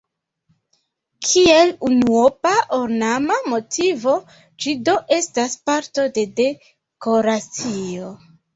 Kiel unuopa ornama motivo ĝi do estas parto de dekoracio.